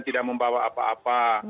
tidak membawa apa apa